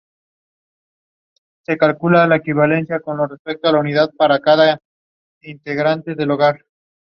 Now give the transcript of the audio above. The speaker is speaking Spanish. El Gobierno de España deberá elegir una de ellas.